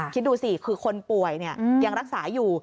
คิดดูสิคือคนป่วยยังรักษาอยู่